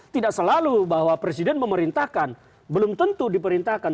tidak selalu bahwa presiden memerintahkan belum tentu diperintahkan